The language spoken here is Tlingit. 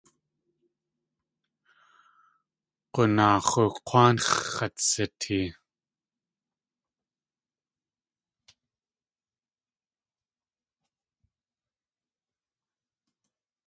G̲unaax̲oo K̲wáanx̲ x̲at sitee.